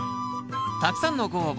たくさんのご応募